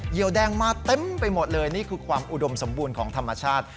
เดียวแดงมาเต็มไปหมดเลยนี่คือความอุดมสมบูรณ์ของธรรมชาติ